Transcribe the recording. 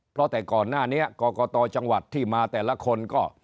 เพราะแต่ก่อนหน้านี้กรกตจังหวัดที่มาแต่ละคนก็